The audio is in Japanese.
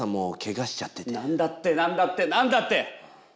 なんだってなんだってなんだって！